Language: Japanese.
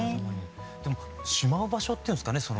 でもしまう場所っていうんですかね